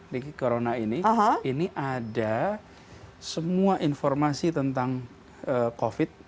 di corona ini ini ada semua informasi tentang covid